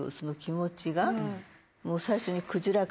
もう最初に。